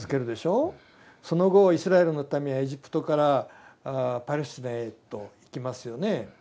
その後イスラエルの民はエジプトからパレスチナへと行きますよね。